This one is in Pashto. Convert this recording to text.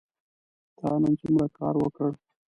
تا نن څومره کار وکړ ؟